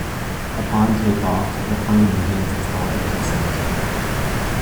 Upon take-off, the plane begins its elegant ascent.